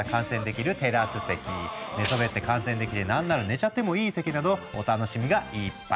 寝そべって観戦できてなんなら寝ちゃってもいい席などお楽しみがいっぱい。